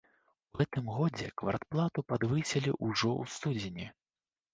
У гэтым годзе квартплату падвысілі ўжо ў студзені.